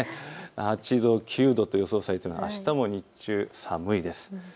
８度、９度と予想されていてあしたも日中、寒いです。